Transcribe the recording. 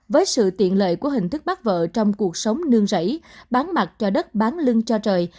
với sự tiện lợi của hình thức bắt vợ trong cuộc sống nương rẫy bán mặt cho đất bán lưng cho trời